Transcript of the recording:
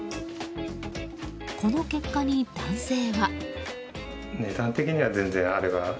この結果に、男性は。